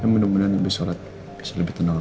ya mudah mudahan lebih surat bisa lebih tenang lagi